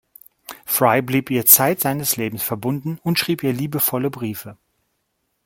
Fry blieb ihr zeit seines Lebens verbunden und schrieb ihr liebevolle Briefe.